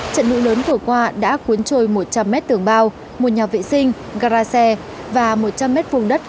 trận mưa lớn vừa qua đã cuốn trôi một trăm linh mét tường bao một nhà vệ sinh gara xe và một trăm linh mét vùng đất